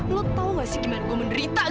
lo tuh emang cowok gak punya perasaan dong